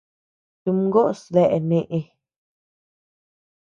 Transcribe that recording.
Tumgoʼos dae neʼe.